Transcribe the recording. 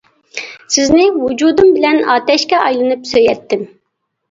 سىزنى ۋۇجۇدۇم بىلەن ئاتەشكە ئايلىنىپ سۆيەتتىم.